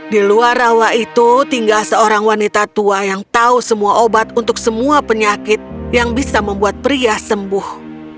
di luar rawa itu tinggal seorang wanita tua yang tahu semua obat untuk semua penyakit yang bisa membuat pria sembuh